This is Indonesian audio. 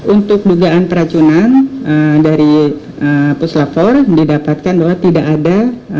untuk dugaan peracunan dari puslapor didapatkan bahwa tidak ada